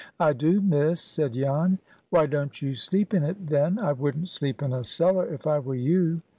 "I do, Miss," said Jan. "Why don't you sleep in it, then? I wouldn't sleep in a cellar, if I were you."